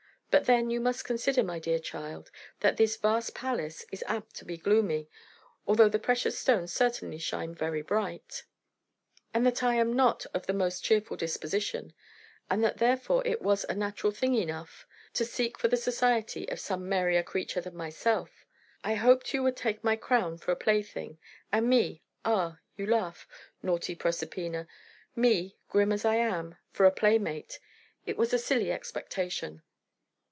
But, then, you must consider, my dear child, that this vast palace is apt to be gloomy (although the precious stones certainly shine very bright), and that I am not of the most cheerful disposition, and that therefore it was a natural thing enough to seek for the society of some merrier creature than myself. I hoped you would take my crown for a plaything, and me ah, you laugh, naughty Proserpina me, grim as I am, for a playmate. It was a silly expectation."